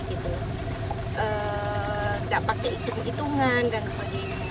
tidak pakai hitung hitungan dan sebagainya